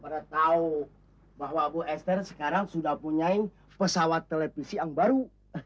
pada tahu bahwa bu esther sekarang sudah punya pesawat televisi yang baru